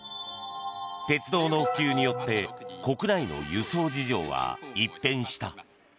鉄道の普及によって国内の輸送事情は一変した。